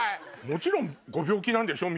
もちろんご病気なんでしょ？